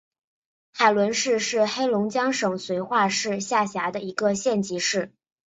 海伦市是黑龙江省绥化市下辖的一个县级市。